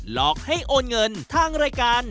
หลอกให้โอนเงินทางรายการ